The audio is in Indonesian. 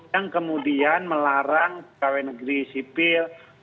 yang kemudian melarang kw negeri sipil